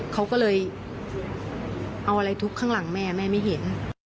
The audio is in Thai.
เขาก็เลยเอาอะไรทุบข้างหลังแม่แม่ไม่เห็น